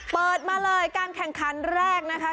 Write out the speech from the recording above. เปิดมาเลยการแข่งขันแรกนะคะ